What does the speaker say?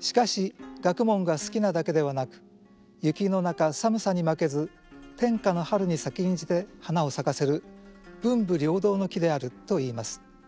しかし学問が好きなだけではなく雪の中寒さに負けず天下の春に先んじて花を咲かせる文武両道の木であるといいます。